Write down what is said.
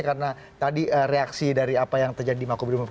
karena tadi reaksi dari apa yang terjadi di makubi rumah